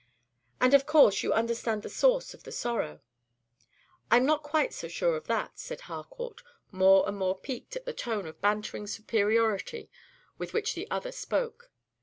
"And of course you understand the source of the sorrow?" "I'm not quite so sure of that," said Harcourt, more and more piqued at the tone of bantering superiority with which the other spoke.